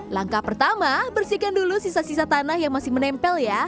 langkah pertama bersihkan dulu sisa sisa tanah yang masih menempel ya